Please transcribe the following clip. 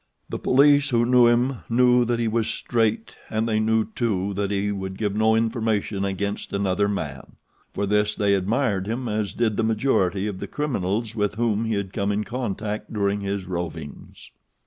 The police who knew him knew that he was straight and they knew, too, that he would give no information against another man. For this they admired him as did the majority of the criminals with whom he had come in contact during his rovings.